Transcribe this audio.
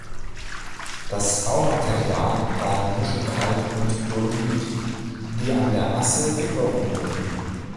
Das Baumaterial waren Muschelkalk und Dolomit, die an der Asse gebrochen wurden.